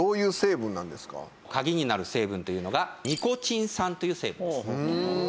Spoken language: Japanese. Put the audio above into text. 鍵になる成分というのがニコチン酸という成分です。